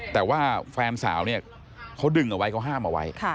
แต่ว่าแฟนสาวเนี่ยเขาดึงเอาไว้เขาห้ามเอาไว้